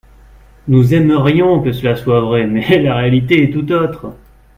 Nous aimerions que cela soit vrai, mais la réalité est tout autre.